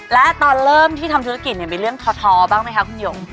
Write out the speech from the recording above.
และตอนเริ่มที่ทำธุรกิจมีเรื่องท้อบ้างไหมคะคุณหยง